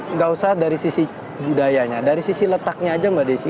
nggak usah dari sisi budayanya dari sisi letaknya aja mbak desi